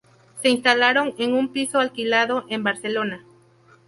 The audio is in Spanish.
Se instalaron en un piso alquilado en Barcelona.